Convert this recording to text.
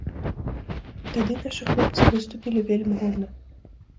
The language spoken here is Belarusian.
Тады нашы хлопцы выступілі вельмі годна.